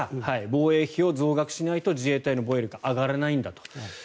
防衛費を増額しないと自衛隊の防衛力が上がらないんだと。